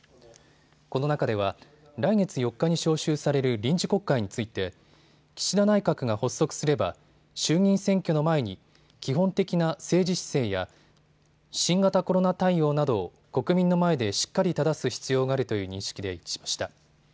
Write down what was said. この中では来月４日に召集される臨時国会について岸田内閣が発足すれば衆議院選挙の前に基本的な政治姿勢や新型コロナ対応などを国民の前でしっかりただす必要があるという認識で一致しました。